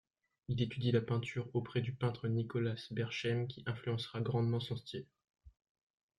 Il étudie la peinture auprès du peintre Nicolaes Berchem qui influencera grandement son style.